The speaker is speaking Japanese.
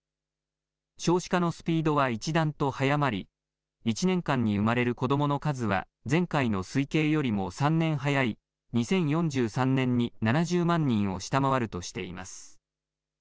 少子化のスピードは一段と早まり、１年間に生まれる子どもの数は前回の推計よりも３年早い２０４３年に７０万人を下回るとしています。